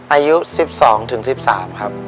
อายุสิบสองถึงสิบสามครับ